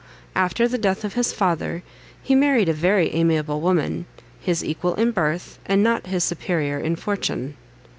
After the death of his father he married a very amiable woman, his equal in birth, and not his superior in fortune.